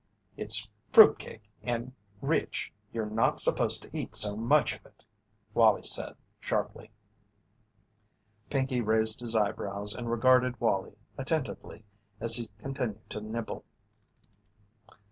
"It's fruit cake, and rich; you're not supposed to eat so much of it," Wallie said, sharply. Pinkey raised his eyebrows and regarded Wallie attentively as he continued to nibble.